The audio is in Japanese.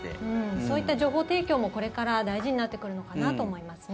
そういった情報提供もこれから大事になってくるのかなと思いますね。